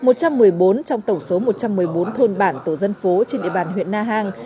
một mươi bốn trong tổng số một trăm một mươi bốn thôn bản tổ dân phố trên địa bàn huyện na hang